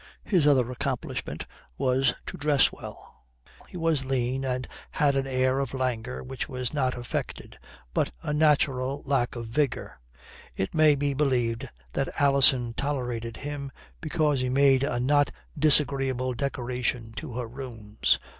His other accomplishment was to dress well. He was lean and had an air of languor which was not affected, but a natural lack of vigour. It may be believed that Alison tolerated him because he made a not disagreeable decoration to her rooms.